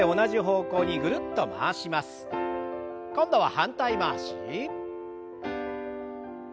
今度は反対回し。